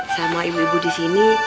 sama ibu ibu disini